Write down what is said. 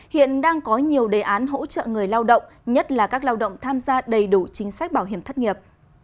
hiện đang có nhiều đề án hỗ trợ người lao động nhất là các lao động tham gia đầy đủ chính sách bảo hiểm thất nghiệp